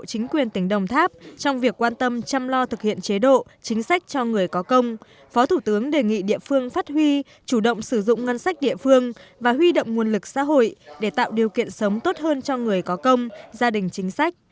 chính quyền tỉnh đồng tháp trong việc quan tâm chăm lo thực hiện chế độ chính sách cho người có công phó thủ tướng đề nghị địa phương phát huy chủ động sử dụng ngân sách địa phương và huy động nguồn lực xã hội để tạo điều kiện sống tốt hơn cho người có công gia đình chính sách